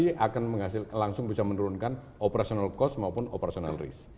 ini akan langsung bisa menurunkan operational cost maupun operational risk